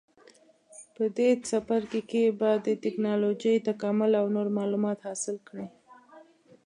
په دې څپرکي کې به د ټېکنالوجۍ تکامل او نور معلومات حاصل کړئ.